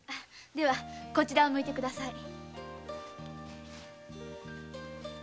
ではこちらを向いて下さい。